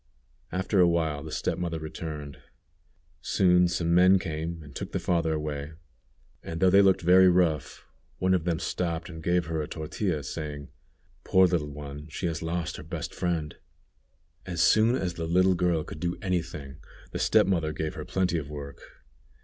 After a while the step mother returned. Soon some men came and took the father away, and though they looked very rough, one of them stopped and gave her a tortilla, saying: "Poor little young one, she has lost her best friend." As soon as the little girl could do any thing, the step mother gave her plenty of work.